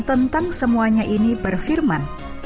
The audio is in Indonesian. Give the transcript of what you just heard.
tentang semuanya ini berfirman